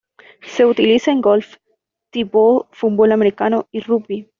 Se utiliza en golf, tee ball, fútbol americano y rugby.